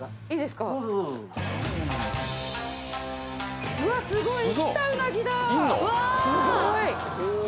すごい！